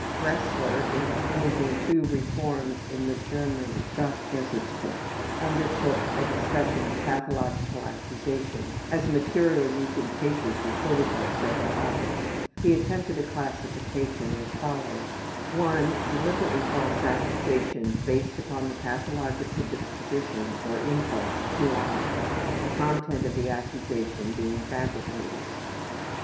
Bresler in proposing two reforms in the German ``Strafgesetzbuch'' undertook a discussion of pathological accusations, as material using cases reported by several authors. He attempted a classification as follows: 1. Deliberately false accusations based upon the pathological disposition or impulse to lie; the content of the accusation being fabricated.